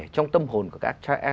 trong tâm hồn của các cháu